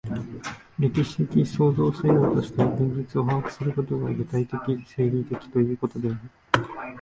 歴史的創造作用として現実を把握することが、具体的理性的ということである。